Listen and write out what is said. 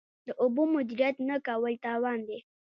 د اوبو مدیریت نه کول تاوان دی.